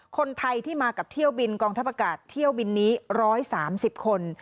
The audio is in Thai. คนไทยที่มากับเที่ยวบินกองทัพอากาศเที่ยวบินนี้๑๓๐คน